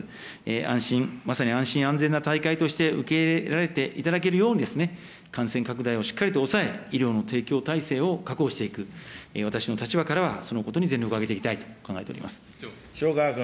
安心、まさに安心安全な大会として受け入れられていただけるように、感染拡大をしっかりと抑え、医療の提供体制を確保していく、私の立場からは、そのことに全力を挙げていきたいと考えておりま塩川君。